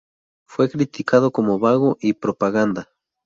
Fue criticado como "vago" y "propaganda".